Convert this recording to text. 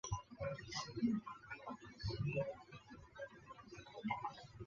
在他们之间流动的奇尔奇克河。